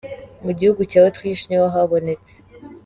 Mu gihugu cya Autriche niho habonetse.